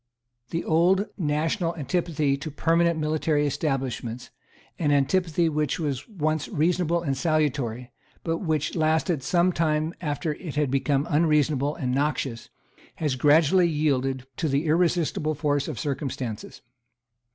The old national antipathy to permanent military establishments, an antipathy which was once reasonable and salutary, but which lasted some time after it had become unreasonable and noxious, has gradually yielded to the irresistible force of circumstances.